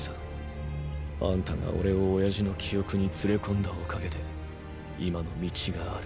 あんたがオレを親父の記憶に連れ込んだおかげで今の道がある。